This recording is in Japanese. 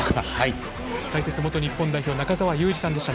解説、元日本代表中澤佑二さんでした。